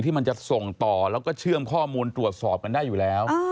มันจะส่งต่อแล้วก็เชื่อมข้อมูลตรวจสอบกันได้อยู่แล้ว